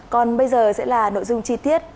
còn bây giờ sẽ là nội dung chi tiết